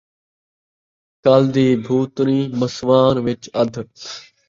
کل دی بھوتݨی ، مسواݨ وِچ ادھ